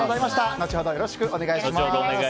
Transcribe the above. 後ほど、よろしくお願いします。